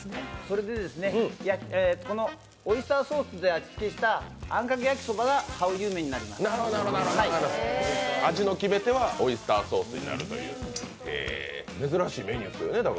オイスターソースで味付けしたあんかけ焼きそばが味の決め手はオイスターソースになるという、珍しいメニューですよね。